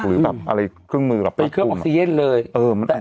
หรือเครื่องมือปลาจึง